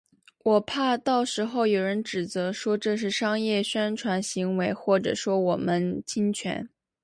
我怕到时候有人指责，说这是商业宣传行为或者说我们侵权